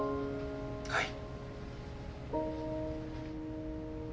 はい。